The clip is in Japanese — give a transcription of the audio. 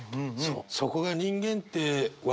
そこが人間って笑